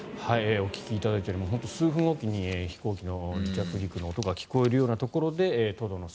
お聞きいただいているように数分おきに飛行機の離着陸の音が聞こえるようなところでトドの姿